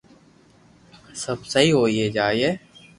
سب سھي ھوئي جائين